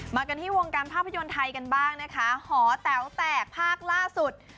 กันที่วงการภาพยนตร์ไทยกันบ้างนะคะหอแต๋วแตกภาคล่าสุด